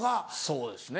そうですね